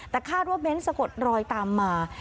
แต่คาดว่าเบ้นสะกดรอยตามมา